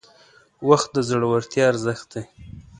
• وخت د زړورتیا ارزښت دی.